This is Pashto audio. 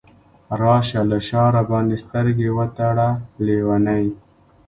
راشه له شاه راباندې سترګې وتړه لیونۍ !